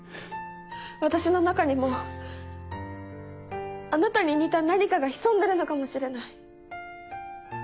私の中にもあなたに似た何かが潜んでるのかもしれない。